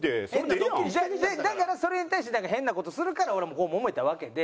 だからそれに対して変な事するから俺もこうもめたわけで。